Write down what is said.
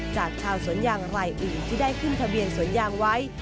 จากชาวสวนยางรายอื่นที่ได้ขึ้นทะเบียนสวนยางไว้